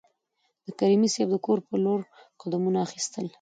د کریمي صیب د کور په لور قدمونه اخیستل.